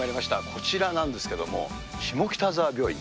こちらなんですけども、下北沢病院。